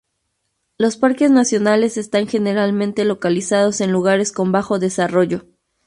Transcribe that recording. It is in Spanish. Los parques nacionales están generalmente localizados en lugares con bajo desarrollo.